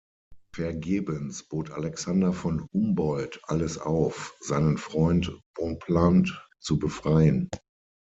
Vergebens bot Alexander von Humboldt alles auf, seinen Freund Bonpland zu befreien.